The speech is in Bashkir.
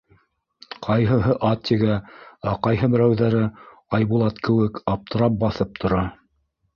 Ҡайһыһы ат егә, ә ҡайһы берәүҙәре, Айбулат кеүек, аптырап баҫып тора.